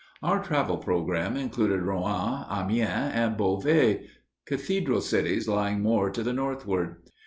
Our travel program included Rouen, Amiens, and Beauvais, cathedral cities lying more to the northward.